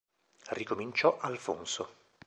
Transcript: Ricominciò Alfonso.